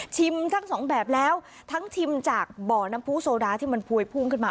ทั้งสองแบบแล้วทั้งชิมจากบ่อน้ำผู้โซดาที่มันพวยพุ่งขึ้นมา